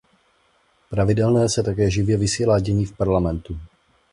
Pravidelné se také živě vysílá dění parlamentu.